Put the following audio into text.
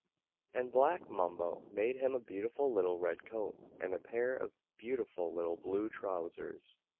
And Black Mumbo made him a beautiful little Red Coat, and a pair of beautiful little blue trousers.